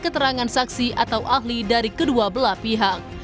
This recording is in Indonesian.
keterangan saksi atau ahli dari kedua belah pihak